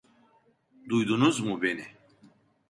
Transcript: Duydunuz mu beni?